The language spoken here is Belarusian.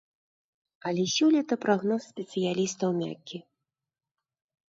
Але сёлета прагноз спецыялістаў мяккі.